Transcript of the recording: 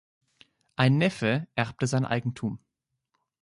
Ein Neffe erbte sein Eigentum.